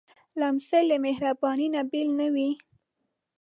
لمسی له مهربانۍ نه بېل نه وي.